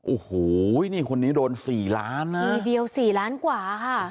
โอ้โหนี่คนนี้โดนสี่ล้านนะทีเดียว๔ล้านกว่าค่ะ